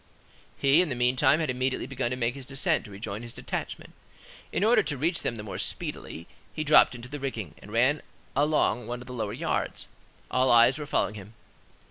He, in the meantime, had immediately begun to make his descent to rejoin his detachment. In order to reach them the more speedily, he dropped into the rigging, and ran along one of the lower yards; all eyes were following him.